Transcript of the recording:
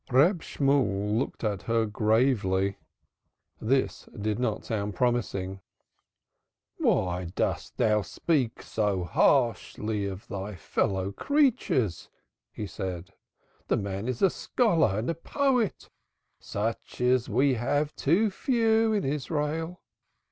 Reb Shemuel looked at her gravely. This did not sound promising. "Why dost thou speak so harshly of thy fellow creatures?" he said. "The man is a scholar and a poet, such as we have too few in Israel."